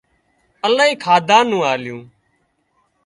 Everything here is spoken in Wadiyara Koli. الاهي کاڌا نُون آليون